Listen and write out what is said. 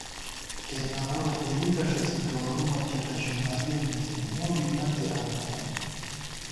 گېناوَہ ہِلِکہ ݭڅی گوَرُومہ چٹہ شمارِیَہ مِنزی، مو بی منزے آنِتون